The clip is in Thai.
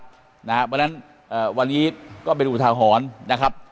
เพราะฉะนั้นวันนี้ก็เป็นอุทาหรณ์นะครับ